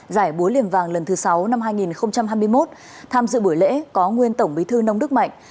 giải búa liềm vàng lần thứ sáu năm hai nghìn hai mươi một tham dự buổi lễ có nguyên tổng bí thư nông đức mạnh